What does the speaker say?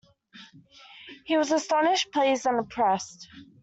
He was astonished, pleased and impressed.